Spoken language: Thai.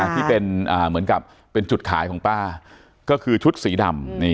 ที่เป็นเหมือนกับเป็นจุดขายของป้าก็คือชุดสีดำ